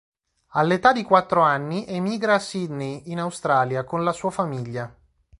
All'età di quattro anni emigra a Sydney, in Australia, con la sua famiglia.